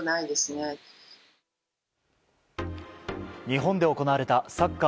日本で行われたサッカー